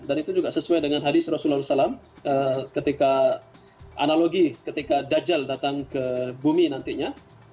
dan itu juga sesuai dengan hadis rasulullah saw ketika analogi ketika dajjal datang ke bumi nantinya